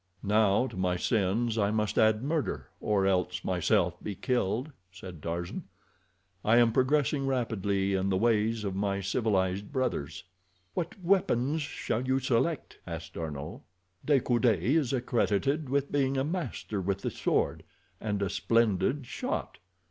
"Now to my sins I must add murder, or else myself be killed," said Tarzan. "I am progressing rapidly in the ways of my civilized brothers." "What weapons shall you select?" asked D'Arnot. "De Coude is accredited with being a master with the sword, and a splendid shot."